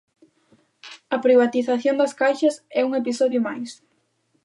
A privatización das Caixas é un episodio máis.